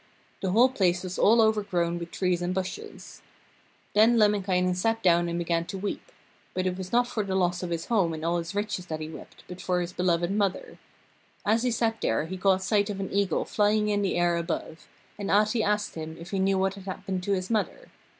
The whole place was all overgrown with trees and bushes. Then Lemminkainen sat down and began to weep; but it was not for the loss of his home and all his riches that he wept but for his beloved mother. As he sat there he caught sight of an eagle flying in the air above, and Ahti asked him if he knew what had happened to his mother.